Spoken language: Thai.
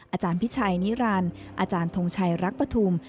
อาจารย์พิชัยนิรันดิ์อาจารย์ทงชัยรักปฐุม